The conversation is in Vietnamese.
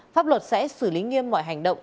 pháp luật sẽ xử lý nghiêm mọi hành động